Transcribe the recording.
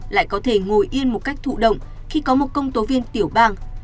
lại có thể ngồi yên một cách thụ động khi có một công tố viên tiểu bang